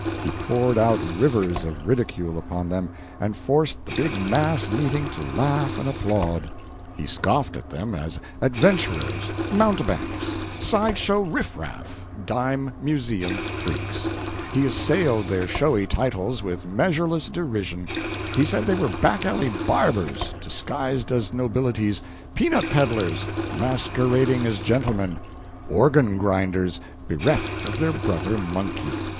He poured out rivers of ridicule upon them, and forced the big mass meeting to laugh and applaud. He scoffed at them as adventurers, mountebanks, side show riff raff, dime museum freaks; he assailed their showy titles with measureless derision; he said they were back alley barbers disguised as nobilities, peanut peddlers masquerading as gentlemen, organ grinders bereft of their brother monkey.